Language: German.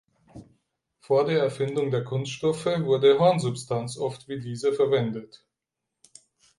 Vor der Erfindung der Kunststoffe wurde Hornsubstanz oft wie diese verwendet.